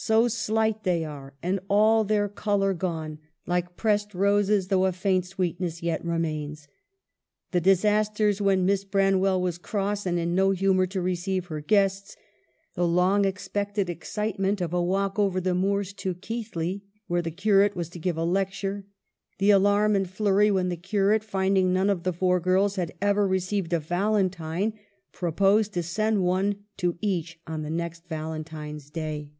So slight they are, and all their color gone, like pressed roses, though a faint sweet ness yet remains. The disasters when Miss Branwell was cross and in no humor to receive her guests ; the long expected excitement of a walk over the moors to Keighley where the curate was to give a lecture, the alarm and flurry when the curate, finding none of the four girls had ever received a valentine, proposed to send one to each on the next Valentine's Day.